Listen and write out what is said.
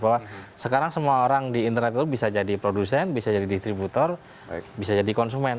bahwa sekarang semua orang di internet itu bisa jadi produsen bisa jadi distributor bisa jadi konsumen